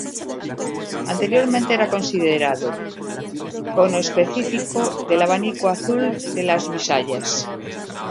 Anteriormente era considerado conespecífico del abanico azul de las Bisayas.